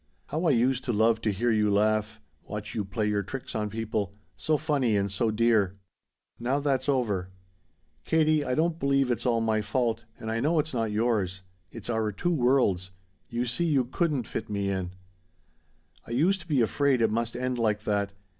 How I used to love to hear you laugh watch you play your tricks on people so funny and so dear "Now that's over. Katie, I don't believe it's all my fault, and I know it's not yours. It's our two worlds. You see you couldn't fit me in. "I used to be afraid it must end like that.